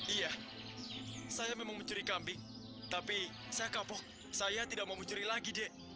iya saya memang mencuri kambing tapi saya kapok saya tidak mau mencuri lagi dek